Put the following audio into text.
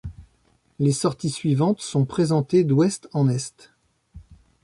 Les sorties suivantes sont présentées d'ouest en est.